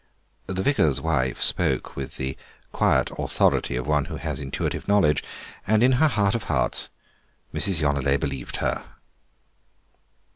The vicar's wife spoke with the quiet authority of one who has intuitive knowledge, and in her heart of hearts Mrs. Yonelet believed her.